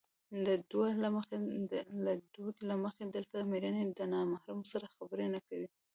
د دود له مخې دلته مېرمنې د نامحرمو سره خبرې نه کوي.